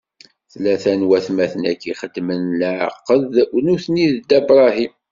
Tlata n watmaten-agi xedmen leɛqed nutni d Dda Bṛahim.